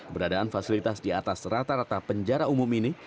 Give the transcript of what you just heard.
beradaan fasilitas di atas rata rata penjara umum ini